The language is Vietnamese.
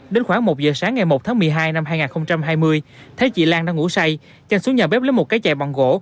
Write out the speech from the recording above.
đến khoảng một giờ sáng ngày một tháng một mươi hai năm hai nghìn hai mươi thấy chị lan đã ngủ say chan xuống nhà bếp lấy một cái chạy bằng gỗ